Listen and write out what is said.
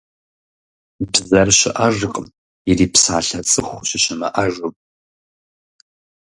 Бзэр щыӀэжкъым, ирипсалъэ цӀыху щыщымыӀэжым.